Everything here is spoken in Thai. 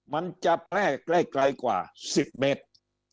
มันจะแพร่ใกล้กว่า๑๐เมตร